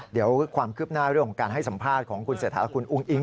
เดี๋ยวความคืบหน้าเรื่องของการให้สัมภาษณ์ของคุณเศรษฐาและคุณอุ้งอิง